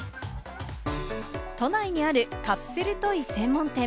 都内にあるカプセルトイ専門店。